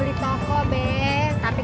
tidak ada yang ngerti